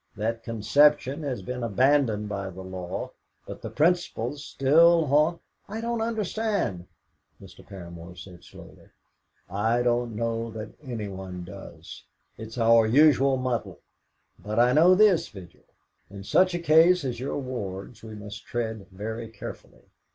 That conception has been abandoned by the law, but the principles still haunt " "I don't understand." Mr. Paramor said slowly: "I don't know that anyone does. It's our usual muddle. But I know this, Vigil in such a case as your ward's we must tread very carefully.